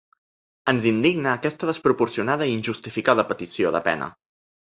Ens indigna aquesta desproporcionada i injustificada petició de pena.